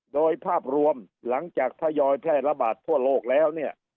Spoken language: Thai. โดยภาพรวมหลังจากทยอยแพร่ระบาดทั่วโลกแล้วเนี่ย